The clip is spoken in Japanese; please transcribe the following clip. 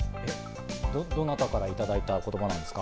どなたからいただいた言葉ですか？